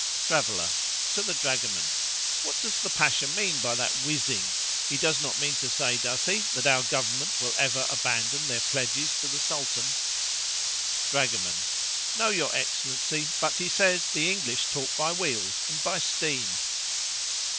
Traveller (to the dragoman).—What does the Pasha mean by that whizzing? he does not mean to say, does he, that our Government will ever abandon their pledges to the Sultan? Dragoman.—No, your Excellency; but he says the English talk by wheels, and by steam.